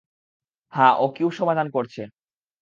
হ্যাঁ, ও কিউব সমাধান করছে।